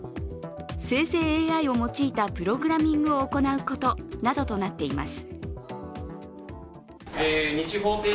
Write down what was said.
生成ＡＩを用いたプログラミングを行うことなどとなっています。